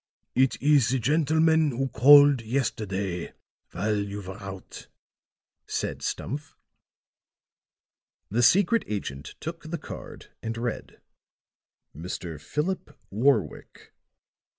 "It is the gentleman who called yesterday while you were out," said Stumph. The secret agent took the card and read: "Mr. Philip Warwick."